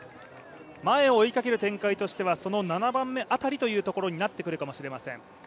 前を追いかける展開としてはその７番目辺りということになってくるかもしれません。